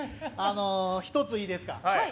１つ、いいですか。